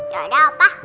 ya udah opa